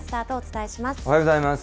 おはようございます。